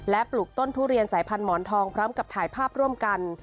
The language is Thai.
ปลูกต้นทุเรียนสายพันธ์หมอนทองพร้อมกับถ่ายภาพร่วมกัน